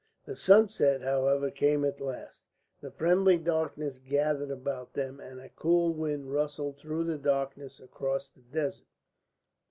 The sunset, however, came at the last, the friendly darkness gathered about them, and a cool wind rustled through the darkness across the desert.